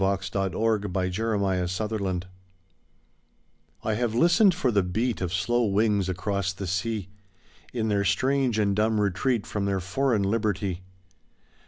THE SAD YEARS MIGRATORY BIRDS I HAVE listened for the beat Of slow wings across the sea. In their strange and dumb retreat From their foreign liberty.